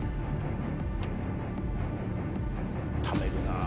ためるなぁ。